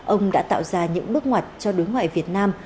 ông đã tạo ra những bước ngoặt cho đối ngoại việt nam